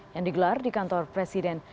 yang digelar di kantor presiden